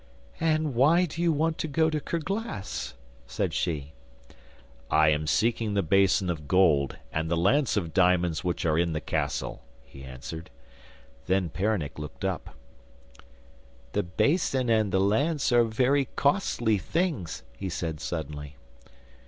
'And why do you want to go to Kerglas?' said she. 'I am seeking the basin of gold and the lance of diamonds which are in the castle,' he answered. Then Peronnik looked up. 'The basin and the lance are very costly things,' he said suddenly.